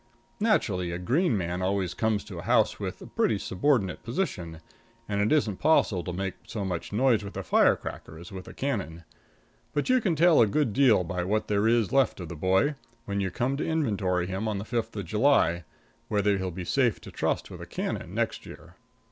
Naturally, a green man always comes to a house in a pretty subordinate position, and it isn't possible to make so much noise with a firecracker as with a cannon. But you can tell a good deal by what there is left of the boy, when you come to inventory him on the fifth of July, whether he'll be safe to trust with a cannon next year.